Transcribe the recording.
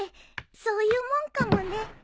そういうもんかもね。